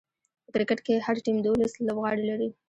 په کرکټ کښي هر ټيم دوولس لوبغاړي لري.